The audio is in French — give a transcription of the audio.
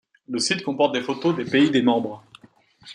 Le site comporte des photos des pays des membres.